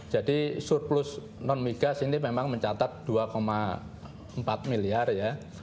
jadi surplus non migas ini memang mencatat dua empat miliar ya